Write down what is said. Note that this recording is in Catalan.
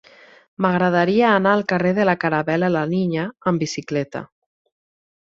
M'agradaria anar al carrer de la Caravel·la La Niña amb bicicleta.